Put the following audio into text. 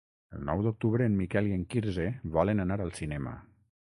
El nou d'octubre en Miquel i en Quirze volen anar al cinema.